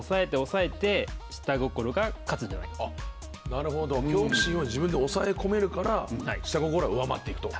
なるほど恐怖心を自分で抑え込めるから下心は上回って行くと。